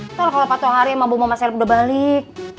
entahlah kalau patuhari sama bumama selip udah balik